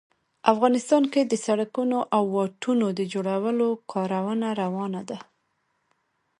افغانستان کې د سړکونو او واټونو د جوړولو کارونه روان دي